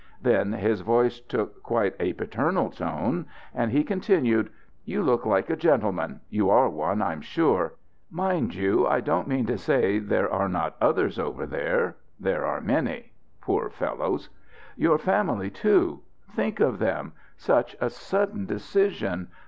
Then his voice took quite a paternal tone, and he continued: "You look like a gentleman you are one, I'm sure. Mind you, I don't mean to say there are not others over there there are many poor fellows! Your family, too! think of them such a sudden decision.